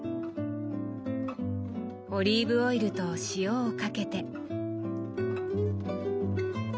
オリーブオイルと塩をかけて。